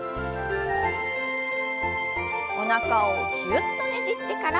おなかをぎゅっとねじってから。